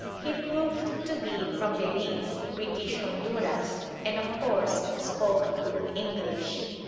He proved to be from Belize, British Honduras, and of course spoke good English.